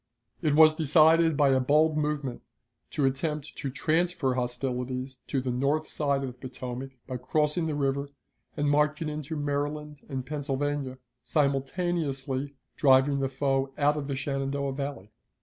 It was decided by a bold movement to attempt to transfer hostilities to the north side of the Potomac, by crossing the river and marching into Maryland and Pennsylvania, simultaneously driving the foe out of the Shenandoah Valley.